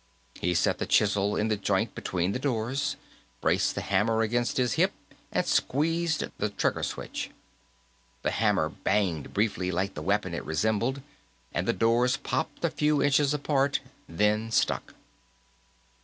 He set the chisel in the joint between the doors, braced the hammer against his hip, and squeezed the trigger switch. The hammer banged briefly like the weapon it resembled, and the doors popped a few inches apart, then stuck.